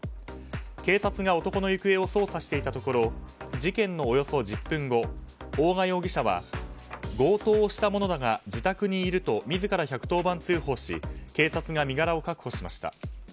警察が男の行方を捜査していたところ事件のおよそ１０分後大賀容疑者は強盗をした者だが自宅にいると自ら１１０番通報し警察が身柄を確保しました。